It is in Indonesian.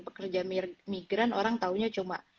pekerja migran orang taunya cuma